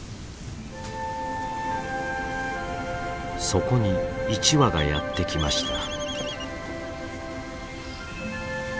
そこに１羽がやって来ました。